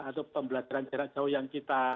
atau pembelajaran jarak jauh yang kita